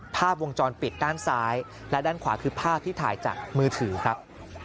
ภาพวงจรปิดด้านซ้ายและด้านขวาคือภาพที่ถ่ายจากมือถือครับ